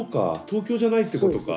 東京じゃないってことか。